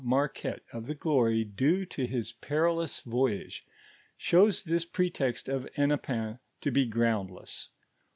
Alar<niette of the glory duo to his perilous voyage, shows thin pretext of Hennepin t>i be groundless.